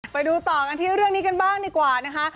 ไปดูต่อกันที่เรื่องนี้กันบ้างดีกว่านะคะ